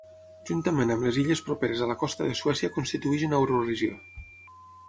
Juntament amb les illes properes a la costa de Suècia constitueix una Euroregió.